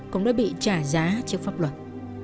cũng đã bị trả giá trước pháp luật